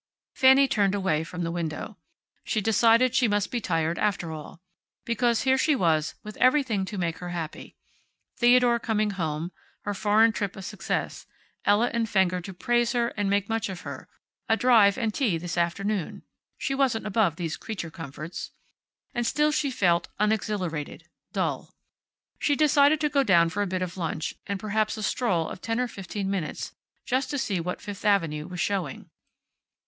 Fanny turned away from the window. She decided she must be tired, after all. Because here she was, with everything to make her happy: Theodore coming home; her foreign trip a success; Ella and Fenger to praise her and make much of her; a drive and tea this afternoon (she wasn't above these creature comforts) and still she felt unexhilarated, dull. She decided to go down for a bit of lunch, and perhaps a stroll of ten or fifteen minutes, just to see what Fifth avenue was showing.